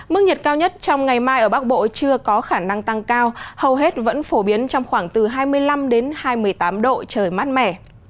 mức nhiệt cao nhất trong ngày mai ở bắc bộ chưa có khả năng tăng cao hầu hết vẫn phổ biến trong khoảng từ hai mươi năm đến hai mươi tám độ trời mát mẻ